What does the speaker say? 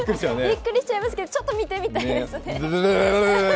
びっくりしちゃうけどちょっと見てみたいです。